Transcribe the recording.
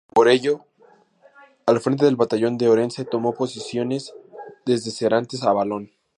Por ello, al frente del Batallón de Orense tomó posiciones desde Serantes a Valón.